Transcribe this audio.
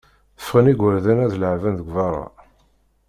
Ffɣen igerdan ad leεben deg berra.